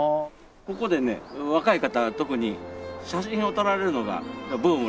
ここでね若い方は特に写真を撮られるのがブームらしくてですね。